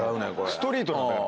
ストリートなんだから。